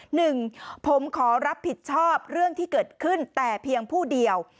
หนึ่งผมขอรับผิดชอบเรื่องที่เกิดขึ้นแต่เพียงผู้เดียว